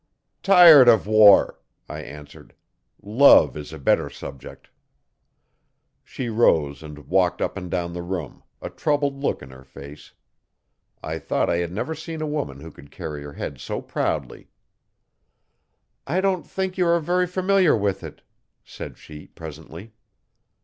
'Tired of war,' I answered; 'love is a better subject. She rose and walked up and down the room, a troubled look in her face. I thought I had never seen a woman who could carry her head so proudly. 'I don't think you are very familiar with it,' said she presently.